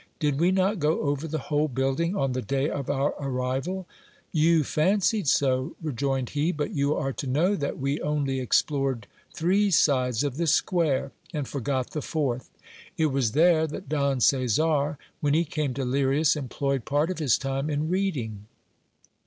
Did we not go over the whole building on the day of our arrival? You fancied so, rejoined he; but you are to know that we only explored three sides of the square, and forgot the fourth. It was there that Don Caesar, when he came to Lirias, employed part of his time in reading.